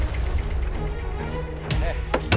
sampai jumpa di video selanjutnya